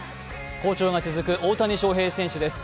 好調が続く大谷翔平選手です。